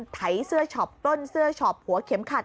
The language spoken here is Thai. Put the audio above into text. แถ๋ซื้อชอบต้นแถ๋ซื้อชอบหัวเข็มขัด